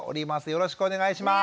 よろしくお願いします。